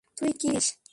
তুই কি পড়ছিস?